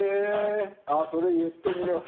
それ言ってみよう。